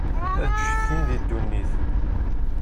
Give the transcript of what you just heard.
Ad d-ttcetkin i ddunit.